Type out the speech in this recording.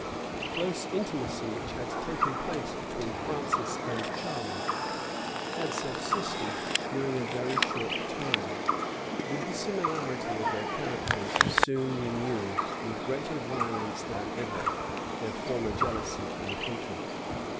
The close intimacy which had taken place between Francis and Charles had subsisted during a very short time: the dissimilarity of their characters soon renewed, with greater violence than ever, their former jealousy and hatred.